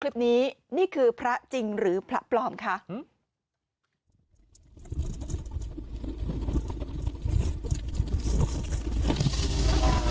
คลิปนี้นี่คือพระจริงหรือพระปลอมค่ะอืม